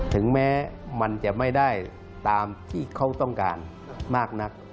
ถึงแม้มันจะไม่ได้ตามที่เขาต้องการมากนัก